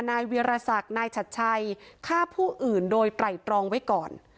นายเวียรศักดิ์นายชัดชัยฆ่าผู้อื่นโดยไตรตรองไว้ก่อน